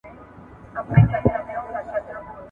د حق په غوښتلو کي هېڅکله مه وېرېږئ.